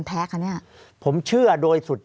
ภารกิจสรรค์ภารกิจสรรค์